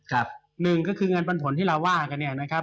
หนึ่งก็คือเงินปันผลที่เราว่ากันเนี่ยนะครับ